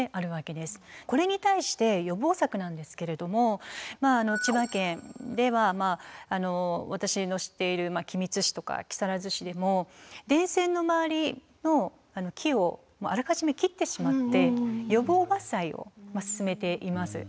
これに対して予防策なんですけれども千葉県ではまああの私の知っている君津市とか木更津市でも電線の周りの木をあらかじめ切ってしまって予防伐採を進めています。